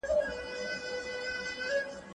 ساکنه ټولنپوهنه یوه ځانګړې برخه ده.